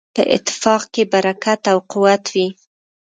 په اتفاق کې برکت او قوت وي.